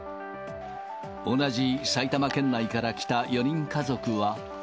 同じ埼玉県内から来た４人家族は。